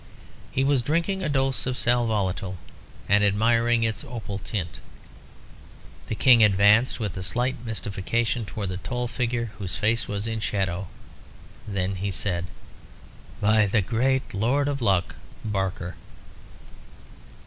He was drinking a dose of sal volatile, and admiring its opal tint. The King advanced with a slight mystification towards the tall figure, whose face was in shadow; then he said "By the Great Lord of Luck, Barker!"